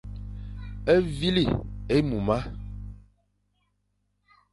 Vîle éimuma.